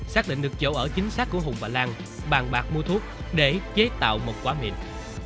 xác định được chỗ ở chính xác của hùng và lan bàn bạc mua thuốc để chế tạo một quả miệng